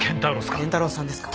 賢太郎さんですか？